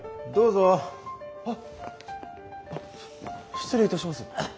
失礼いたします。